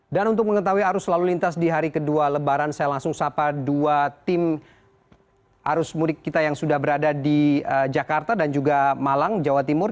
dan untuk mengetahui arus lalu lintas di hari kedua lebaran saya langsung sapa dua tim arus murid kita yang sudah berada di jakarta dan juga malang jawa timur